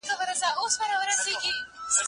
زه اجازه لرم چي ونې ته اوبه ورکړم!.